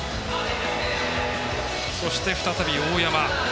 そして、再び大山。